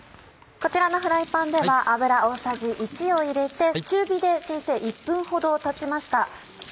こちらのフライパンでは油大さじ１を入れて中火で先生１分ほどたちました。